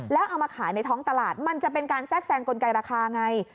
แล้วเอามาขายในท้องตลาดมันจะเป็นการแทรกแซงกลไกราคาไง